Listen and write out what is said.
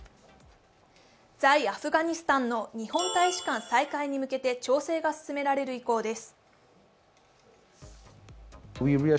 在アフガニスタンの日本大使館再開に向けて調整が進められる意向です。